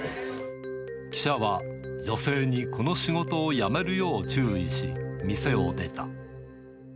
記者は女性にこの仕事をやめるよう注意し、店を出た。